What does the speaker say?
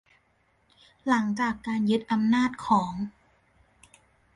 หลังจากการยึดอำนาจของ